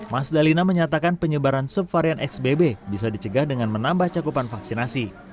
mas dalina menyatakan penyebaran subvarian xbb bisa dicegah dengan menambah cakupan vaksinasi